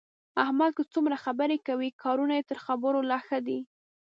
احمد که څومره خبرې کوي، کارونه یې تر خبرو لا ښه دي.